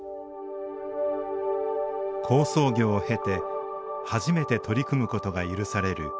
好相行を経て初めて取り組むことが許される